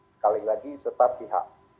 sekali lagi serta pihak